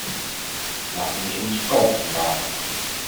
Laten we dus onze kalmte bewaren.